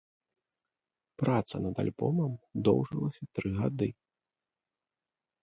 Праца над альбомам доўжылася тры гады.